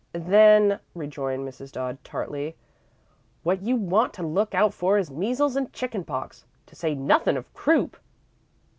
"Then," rejoined Mrs. Dodd, tartly, "what you want to look out for is measles an' chicken pox, to say nothin' of croup."